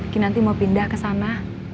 kinanti mau pindah kesana